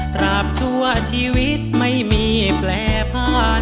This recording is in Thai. ตราบชั่วชีวิตไม่มีแปลภาพ